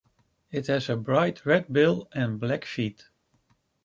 It has a bright red bill and black feet.